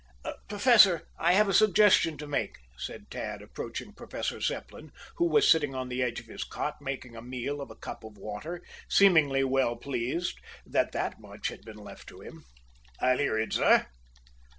"Professor, I have a suggestion to make," said Tad, approaching Professor Zepplin, who was sitting on the edge of his cot, making a meal of a cup of water, seemingly well pleased that that much had been left to him. "I'll hear it, sir."